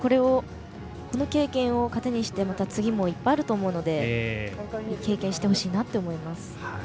この経験を糧にして次もいっぱいあると思うので経験してほしいなって思います。